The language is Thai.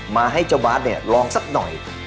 มาให้เจ้าบาสเนี่ยลองสักหน่อย